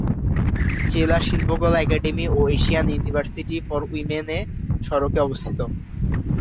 জেলা শিল্পকলা একাডেমি ও এশিয়ান ইউনিভার্সিটি ফর উইমেন এ সড়কে অবস্থিত।